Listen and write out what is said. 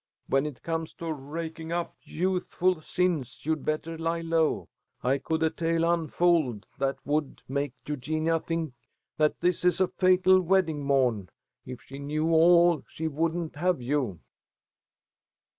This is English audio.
"When it comes to raking up youthful sins you'd better lie low. 'I could a tale unfold' that would make Eugenia think that this is 'a fatal wedding morn,' If she knew all she wouldn't have you."